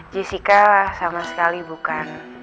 jessica sama sekali bukan